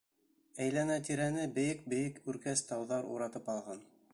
Әйләнә-тирәне бейек-бейек үркәс тауҙар уратып алған.